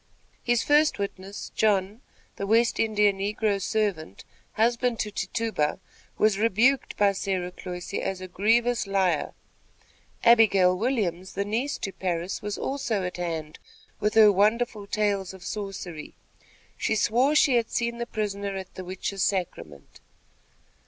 His first witness John, the West India negro servant, husband to Tituba, was rebuked by Sarah Cloyse as a grievous liar. Abigail Williams, the niece to Parris, was also at hand with her wonderful tales of sorcery. She swore she had seen the prisoner at the witches' sacrament.